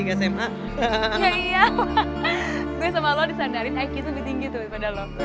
iya iya gue sama lo disandarin iq lebih tinggi tuh daripada lo